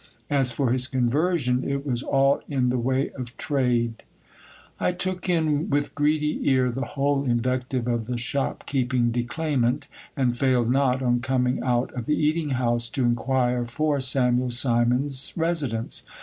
As for his conversion it was all in the way of trade. AMBROSES NOTABLE COXTRIVAXCE. 213 I took in with greedy ear the whole invective of the shop keeping declaimant, and failed not, on coming out of the eating house, to inquire for Samuel Simon's residence.